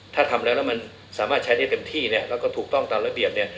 ถ้าทำแล้วแล้วมันสามารถใช้ได้เต็มที่เนี่ยแล้วก็ถูกต้องตามระเบียบเนี่ย